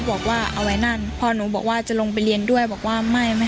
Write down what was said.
บอกว่าเอาไว้นั่นพอหนูบอกว่าจะลงไปเรียนด้วยบอกว่าไม่ไม่